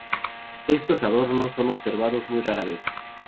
Estos adornos son observados muy rara vez.